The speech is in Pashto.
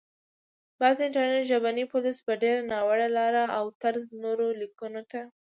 بعضي انټرنټي ژبني پوليس په ډېره ناوړه لاره او طرز نورو ليکونکو ته